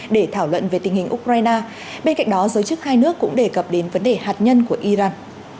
để thảo luận về tình hình ukraine bên cạnh đó giới chức hai nước cũng đề cập đến vấn đề hạt nhân của iran